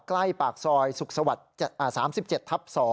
ใกล้ปากซอยสุขสวรรค์๓๗ทับ๒